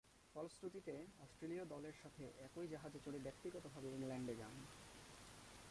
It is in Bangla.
ফলশ্রুতিতে অস্ট্রেলীয় দলের সাথে একই জাহাজে চড়ে ব্যক্তিগতভাবে ইংল্যান্ডে যান।